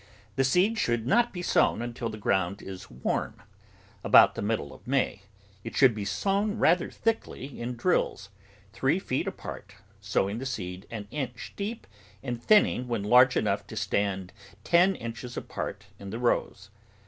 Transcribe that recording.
The seed sliould [ 125 ] THE VEGETABLE GARDEN not be sown until the ground is warm — about the middle of May; it should be sown rather thickly in drills, three feet apart, sowing the seed an inch deep and thinning when large enough to stand ten inches apart in the rows.